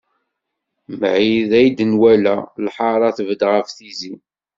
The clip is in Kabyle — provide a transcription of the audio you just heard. Mebɛid ay d-nwala, lḥara tbedd ɣef tizi.